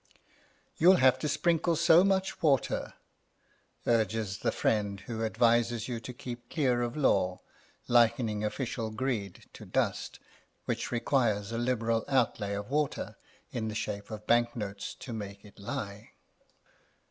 You'll have to sprinkle so much water, urges the friend who advises you to keep clear of law, likening official greed to dust, which requires a liberal outlay of water in the shape of banknotes to make it lie.